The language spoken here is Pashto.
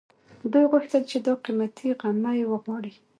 دوی غوښتل چې دا قيمتي غمی وغواړي